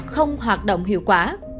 không hoạt động hiệu quả